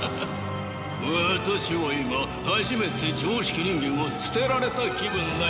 私は今初めて常識人間を捨てられた気分だよ。